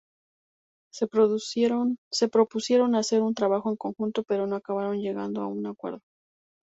Se propusieron hacer un trabajo en conjunto, pero no acabaron llegando a un acuerdo.